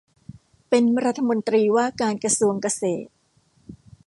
เป็นรัฐมนตรีว่าการกระทรวงเกษตร